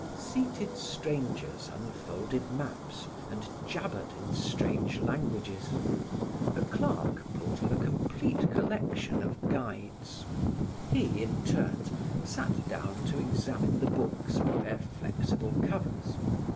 Seated strangers unfolded maps and jabbered in strange languages. A clerk brought him a complete collection of guides. He, in turns, sat down to examine the books with their flexible covers.